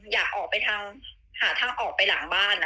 อยากหาทางออกไปหลังบ้าน